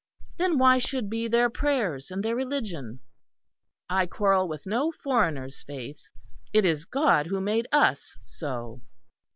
Then why should be their prayers and their religion? I quarrel with no foreigner's faith; it is God who made us so."